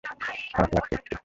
খারাপ লাগছে একটু।